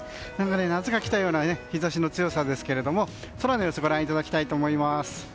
夏が来たような日差しの強さですけども空の様子をご覧いただきたいと思います。